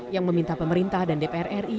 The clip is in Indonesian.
yang meminta pemerintah dan dpr ri